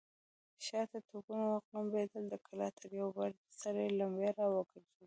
شاته توپونه وغړمبېدل، د کلا تر يوه برج سرې لمبې را وګرځېدې.